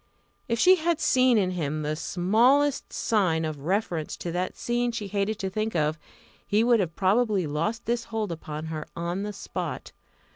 If she had seen in him the smallest sign of reference to that scene she hated to think of, he would have probably lost this hold upon her on the spot.